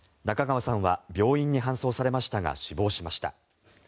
中川さんは病院に搬送されましたが死亡しました。